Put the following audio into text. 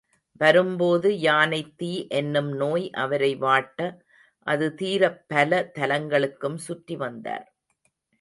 வரும்போது யானைத் தீ என்னும் நோய் அவரை வாட்ட அது தீரப் பல தலங்களும் சுற்றி வந்தார்.